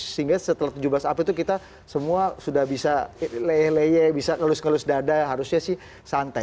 sehingga setelah tujuh belas april itu kita semua sudah bisa leye leye bisa ngelus ngelus dada harusnya sih santai